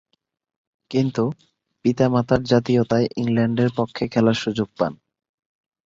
কিন্তু, পিতা-মাতার জাতীয়তায় ইংল্যান্ডের পক্ষে খেলার সুযোগ পান।